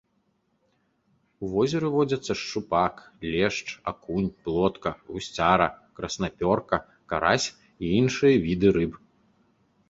У возеры водзяцца шчупак, лешч, акунь, плотка, гусцяра, краснапёрка, карась і іншыя віды рыб.